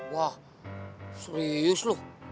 wah serius lu